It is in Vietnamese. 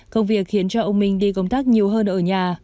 công việc khiến cho ông minh đi công tác nhiều hơn ở nhà